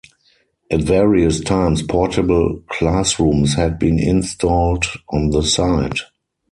At various times portable classrooms had been installed on the site.